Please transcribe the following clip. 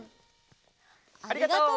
ありがとう！